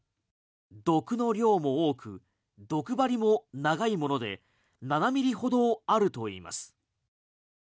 毒の量も多く毒針も長いもので７ミリほどあるといいます。